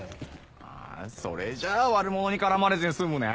あそれじゃあ悪者に絡まれずに済むね。